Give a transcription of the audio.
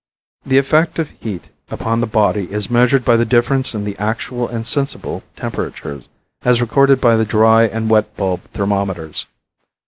The effect of heat upon the body is measured by the difference in the actual and sensible temperatures, as recorded by the dry and wet bulb thermometers.